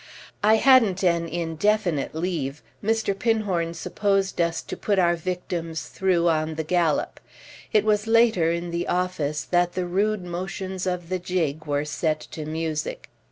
I hadn't an indefinite leave: Mr. Pinhorn supposed us to put our victims through on the gallop. It was later, in the office, that the rude motions of the jig were set to music.